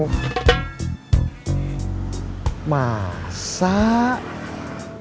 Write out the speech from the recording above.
tapi dia mengaku kalau dia sayang sama kamu